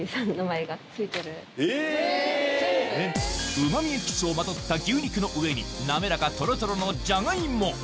うま味エキスをまとった牛肉の上に滑らかトロトロのジャガイモ